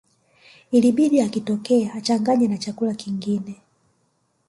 Ilibidi akitoe achanganye na chakula kingine